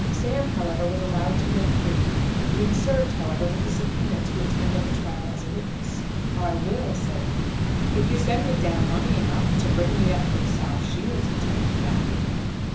Sam, however, was allowed to go free, being served, however, with a subpoena to attend at the trial as a witness. "I will," said he, "if you send me down money enough to bring me up from South Shields, and take me back again.